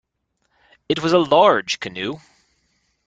It was a large canoe.